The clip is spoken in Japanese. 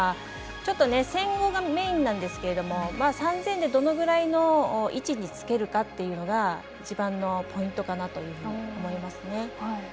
ちょっと、１５００がメインなんですけど３０００でどのぐらいの位置につけるかというのが一番のポイントかなと思いますね。